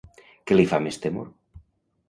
Què li fa més temor?